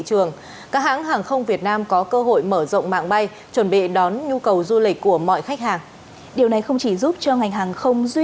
cục hàng không việt nam cũng đã chỉ đạo các đơn vị trong ngành hàng không